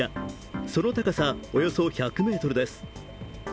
その高さおよそ１００ｍです。